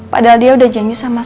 padahal dia sudah janji sama aku